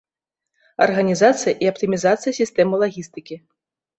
Арганізацыя і аптымізацыя сістэмы лагістыкі.